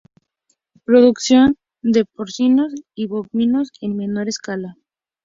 Producción de porcinos y bovinos en menor escala.